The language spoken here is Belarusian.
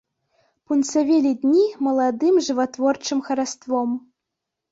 Пунсавелі дні маладым жыватворчым хараством.